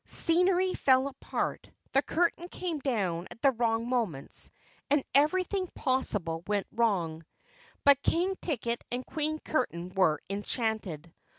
Scenery fell apart, the curtain came down at the wrong moments and everything possible went wrong. But King Ticket and Queen Curtain were enchanted.